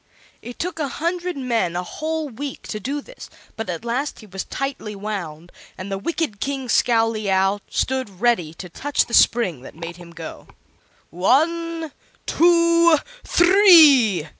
It took a hundred men a whole week to do this; but at last he was tightly wound, and the wicked King Scowleyow stood ready to touch the spring that made him go. "One two three!"